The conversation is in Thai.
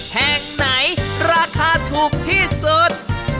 แห่งไหนราคาถูกที่สุด